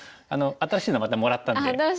新しいのまたもらったんですね。